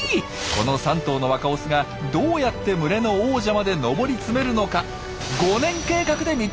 この３頭の若オスがどうやって群れの王者まで上り詰めるのか５年計画で密着しますよ！